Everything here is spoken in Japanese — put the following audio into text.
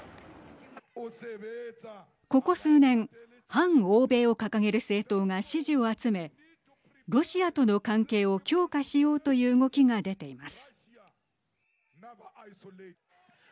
ここ数年、反欧米を掲げる政党が支持を集めロシアとの関係を強化しようという動きが出ています。